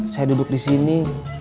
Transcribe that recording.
saya duduk disini